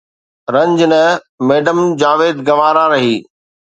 رنج نه ميڊم جاويد گوارا رهي